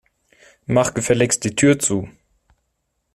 Mach gefälligst die Tür zu.